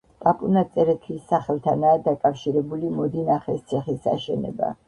პაპუნა წერეთლის სახელთანაა დაკავშირებული მოდინახეს ციხის აშენება.